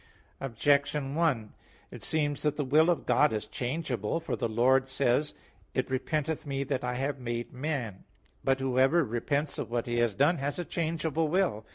Objection 1: It seems that the will of God is changeable. For the Lord says (Gen. 6:7): "It repenteth Me that I have made man." But whoever repents of what he has done, has a changeable will.